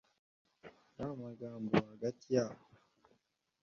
y’amagambo hagati yabo